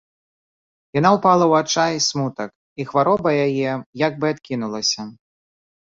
Яна ўпала ў адчай і смутак, і хвароба яе як бы адкінулася.